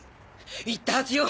言ったはずよ！